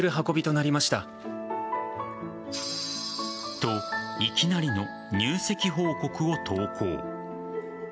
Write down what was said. と、いきなりの入籍報告を投稿。